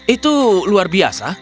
itu luar biasa